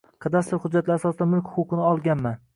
Kadastr hujjatlari asosida mulk huquqini olganman